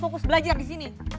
kejar di sini